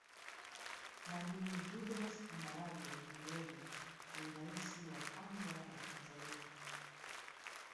mwalimu julias kambarage nyerere ni raisi wa kwanza wa tanzania